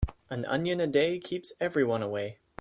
An onion a day keeps everyone away.